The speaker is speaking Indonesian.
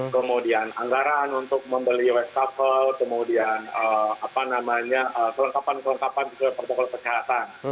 kemudian anggaran untuk membeli wastafel kemudian kelengkapan kelengkapan sesuai protokol kesehatan